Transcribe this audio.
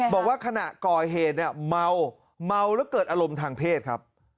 บอกว่าขณะก่อเหตุเนี่ยเมาเมาแล้วเกิดอารมณ์ทางเพศครับ